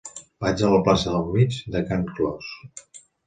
Vaig a la plaça del Mig de Can Clos.